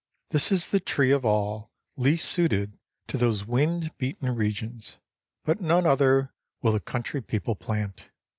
This is the tree of all least suited to those wind beaten regions, but none other will the country people plant.